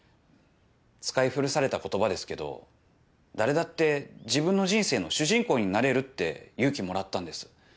使い古された言葉ですけど誰だって自分の人生の主人公になれるって勇気もらったんです。